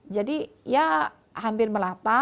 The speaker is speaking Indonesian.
jadi ya hampir merata